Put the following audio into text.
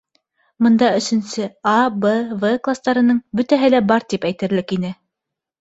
Бында өсөнсө «А», «Б», «В» кластарының бөтәһе лә бар тип әйтерлек ине.